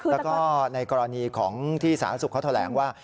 แล้วก็ในกรณีที่สหรัฐสุขเขาแถวแหลงว่า